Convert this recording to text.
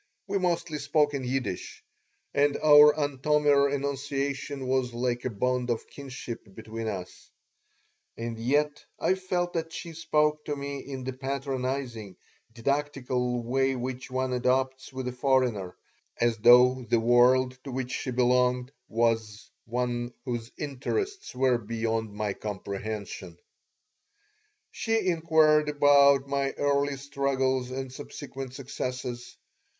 We mostly spoke in Yiddish, and our Antomir enunciation was like a bond of kinship between us, and yet I felt that she spoke to me in the patronizing, didactical way which one adopts with a foreigner, as though the world to which she belonged was one whose interests were beyond my comprehension She inquired about my early struggles and subsequent successes.